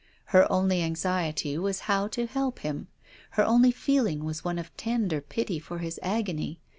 Her only anxiety was how to help him. Her only feeling was one of tender pity for his agony.